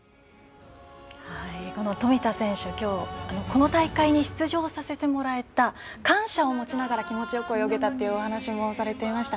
富田選手、きょうこの大会に出場させてもらった感謝を持ちながら気持ちよく泳げたというお話をされていました。